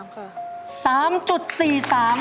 ๓๔๓ครับ